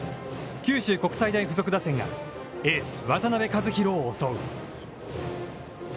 九州国際大付属打線がエース渡辺和大を襲う。